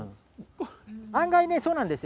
案外ね、そうなんですよ。